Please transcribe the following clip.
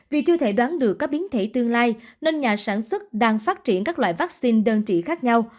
vì chưa thể đoán được các biến thể tương lai nên nhà sản xuất đang phát triển các loại vaccine đơn trị khác nhau